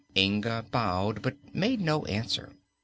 Inga bowed, but made no answer.